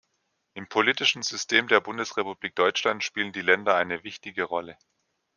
Im politischen System der Bundesrepublik Deutschland spielen die Länder eine wichtige Rolle.